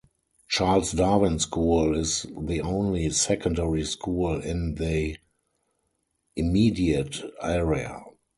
Charles Darwin School is the only secondary school in the immediate area.